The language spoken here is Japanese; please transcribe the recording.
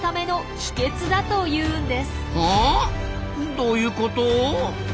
どういうこと？